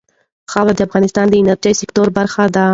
خاوره د افغانستان د انرژۍ سکتور برخه ده.